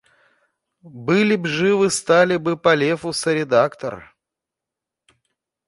Были б живы — стали бы по Лефу соредактор.